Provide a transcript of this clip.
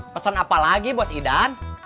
pesan apa lagi bos idan